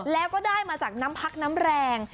แล้วก็ได้มาจากน้ำพักน้ำแรง